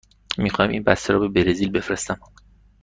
می خواهم این بسته را به برزیل بفرستم.